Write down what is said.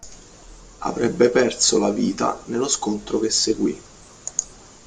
Avrebbe perso la vita nello scontro che seguì.